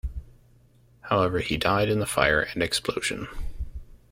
However, he died in the fire and explosion.